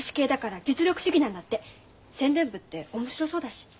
宣伝部って面白そうだし。